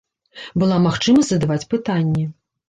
Была магчымасць задаваць пытанні.